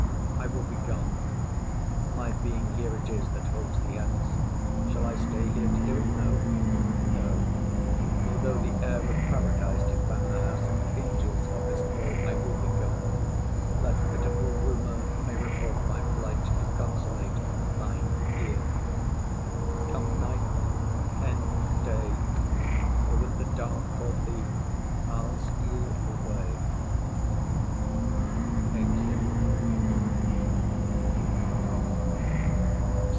I will be gone; My being here it is that holds thee hence. Shall I stay here to do't? No, no, although The air of paradise did fan the house, And angels offic'd all. I will be gone, That pitiful rumour may report my flight To consolate thine ear. Come, night; end, day; For with the dark, poor thief, I'll steal away. [_Exit.